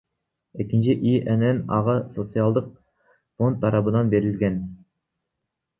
Экинчи ИНН ага Социалдык фонд тарабынан берилген.